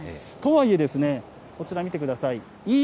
とはいえ、こちら見てください。